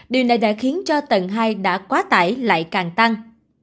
điều này đã khiến cho tầng hai đã quá tải lại càng tăng